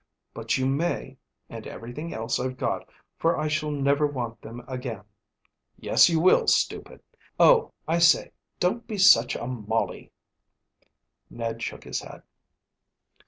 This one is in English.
"But you may, and everything else I've got, for I shall never want them again." "Yes, you will, stupid. Oh, I say, don't be such a Molly." Ned shook his head.